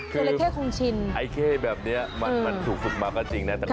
เจราะแคร่คงชินไอ้เจราะแคร่แบบนี้มันถูกมาก็จริงนะ